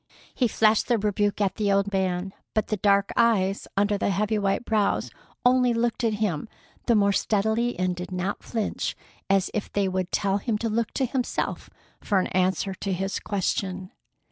He flashed the rebuke at the old man, but the dark eyes under the heavy white brows only looked at him the more steadily and did not flinch, as if they would tell him to look to himself for an answer to his question.